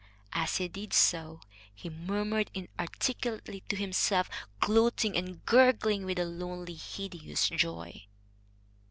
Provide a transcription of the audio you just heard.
As he did so, he murmured inarticulately to himself, gloating and gurgling with a lonely, hideous joy.